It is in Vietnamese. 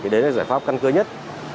đấy là giải pháp căn cơ nhất